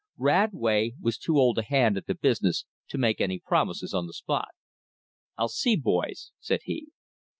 Radway was too old a hand at the business to make any promises on the spot. "I'll see, boys," said he.